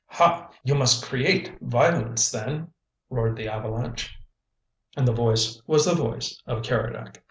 "Ha! you must create violence, then?" roared the avalanche. And the voice was the voice of Keredec.